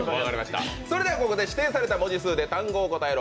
ここで、指定された文字数で単語を答えろ！